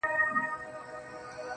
اشنـا په دې چــلو دي وپوهـېدم.